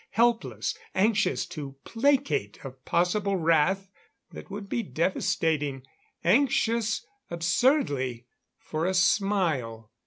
Helpless. Anxious to placate a possible wrath that would be devastating; anxious absurdly for a smile.